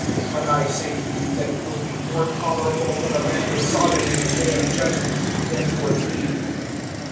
(24)But I say to you, that it will be more tolerable for the land of Sodom in the day of judgment, than for thee.